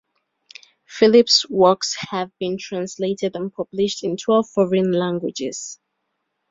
Phillips' works have been translated and published in twelve foreign languages.